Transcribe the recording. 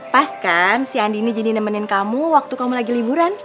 pas kan si andi ini jadi nemenin kamu waktu kamu lagi liburan